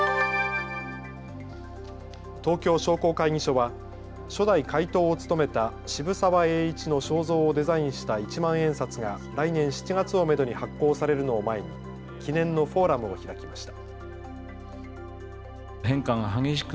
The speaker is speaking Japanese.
東京商工会議所は初代会頭を務めた渋沢栄一の肖像をデザインした１万円札が来年７月をめどに発行されるのを前に記念のフォーラムを開きました。